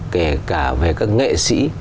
kể cả về các nghệ sĩ